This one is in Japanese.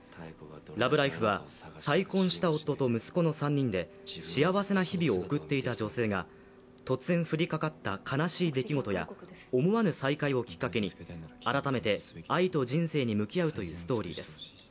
「ＬＯＶＥＬＩＦＥ」は再婚した夫と息子の３人で幸せな日々を送っていた女性が突然降りかかった悲しい出来事や思わぬ再会をきっかけに改めて愛と人生に向き合うというストーリーです。